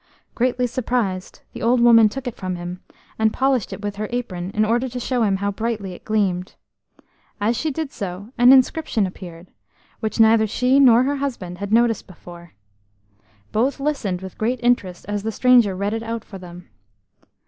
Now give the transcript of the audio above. Greatly surprised, the old woman took it from him, and polished it with her apron in order to show him how brightly it gleamed. As she did so, an inscription appeared, which neither she nor her husband had noticed before. Both listened with great interest as the stranger read it out for them.